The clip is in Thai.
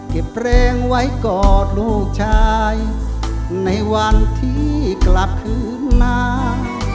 เก็บเพลงไว้กอดลูกชายในวันที่กลับคืนมา